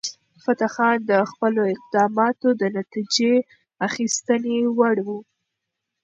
فتح خان د خپلو اقداماتو د نتیجه اخیستنې وړ و.